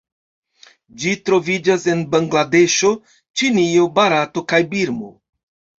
Ĝi troviĝas en Bangladeŝo, Ĉinio, Barato, kaj Birmo.